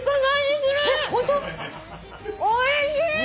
おいしい！